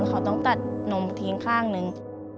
เขาต้องตัดนมทิ้งข้างหนึ่ง